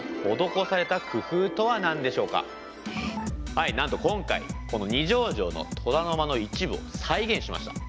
はいなんと今回この二条城の虎の間の一部を再現しました。